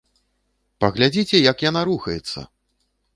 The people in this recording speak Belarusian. Паглядзіце, як яна рухаецца!